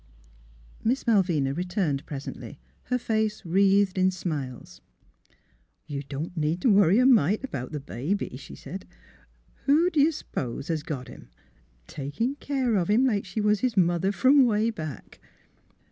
Miss Malvina returned presently, her face wreathed in smiles. *' You don't need t' worry a mite about the baby," she said. " Who d' you s'pose has got him? — takin' care of him like she was his mother f'om 'way back."